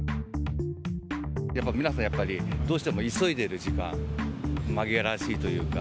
やっぱり皆さん、どうしても急いでる時間、紛らわしいというか。